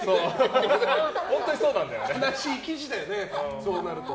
悲しい記事だよね、そうなると。